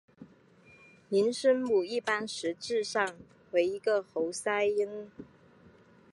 零声母一般实质上为一个喉塞音。